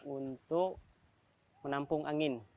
untuk menampung angin